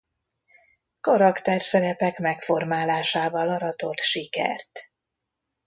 Karakterszerepek megformálásával aratott sikert.